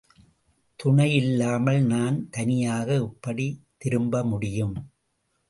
துணையில்லாமல் நான் தனியாக எப்படித் திரும்ப முடியும்?